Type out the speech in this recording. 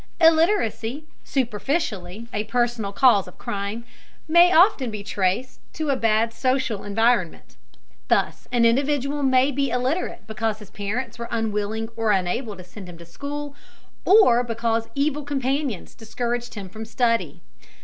Illiteracy, superficially a personal cause of crime, may often be traced to a bad social environment. Thus an individual may be illiterate because his parents were unwilling or unable to send him to school, or because evil companions discouraged him from study.